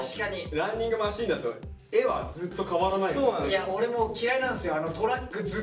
ランニングマシンだと絵はずっと変わらないもんね。